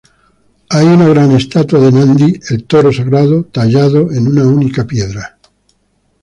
Hay una gran estatua de Nandi, el toro sagrado, tallado en una única piedra.